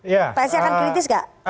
ya psi akan kritis gak